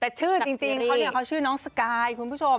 แต่ชื่อจริงเขาชื่อน้องสกายคุณผู้ชม